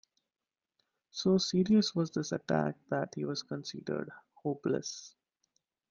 So serious was this attack that he was considered hopeless.